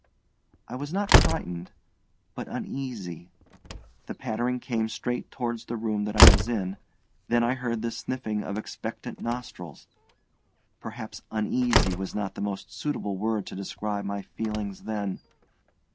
I was not frightened, but uneasy. The pattering came straight towards the room that I was in, then I heard the sniffing of expectant nostrils; perhaps 'uneasy' was not the most suitable word to describe my feelings then.